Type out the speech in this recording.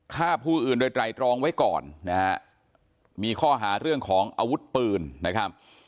ฆ่าผู้อื่นโดยไตรตรองไว้ก่อนนะฮะมีข้อหาเรื่องของอาวุธปืนนะครับ